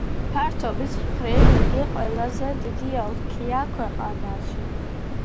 ფართობის მხრივ იგი ყველაზე დიდი ოლქია ქვეყანაში.